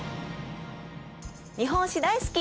日本史大好き！